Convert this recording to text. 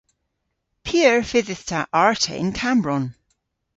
P'eur fydhydh ta arta yn Kammbronn?